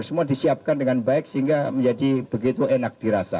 semua disiapkan dengan baik sehingga menjadi begitu enak dirasa